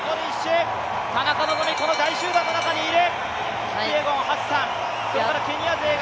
田中希実、この大集団の中にいる。